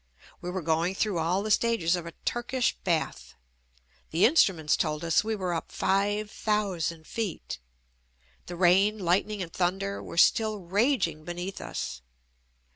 We were going through all the stages of a Turkish bath. The instruments told us we were up five thousand feet. The rain, lightning and thunder were still raging be neath us.